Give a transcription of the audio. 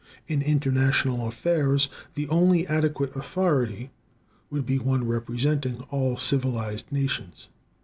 In international affairs the only adequate authority would be one representing all civilized nations.